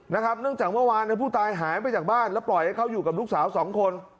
เนื่องจากเมื่อวานผู้ตายหายไปจากบ้านแล้วปล่อยให้เขาอยู่กับลูกสาวสองคน